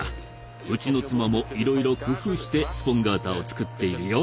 うちの妻もいろいろ工夫してスポンガータを作っているよ。